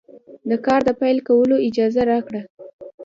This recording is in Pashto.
د کار د پیل کولو اجازه راکړه.